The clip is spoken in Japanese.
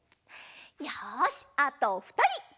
よしあとふたり。